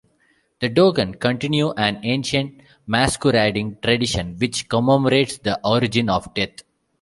The Dogon continue an ancient masquerading tradition, which commemorates the origin of death.